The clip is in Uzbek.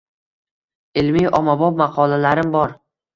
Ilmiy-ommabop maqolalarim bor